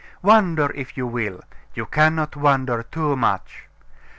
Wonder if you will. You cannot wonder too much.